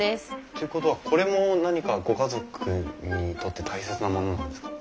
っていうことはこれも何かご家族にとって大切なものなんですか？